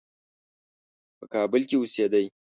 په کابل کې اوسېدی.